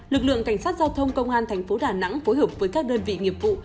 lực lượng cảnh sát giao thông công an thành phố đà nẵng phối hợp với các đơn vị nghiệp vụ